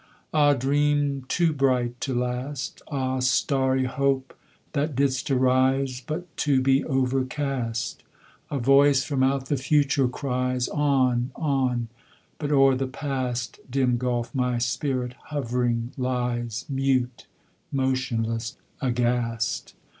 Ah, dream to bright to last! Ah, starry Hope! that didst arise But to be overcast! A voice from out the Future cries, "On! on!" but o'er the Past (Dim gulf!) my spirit hovering lies Mute, motionless, aghast!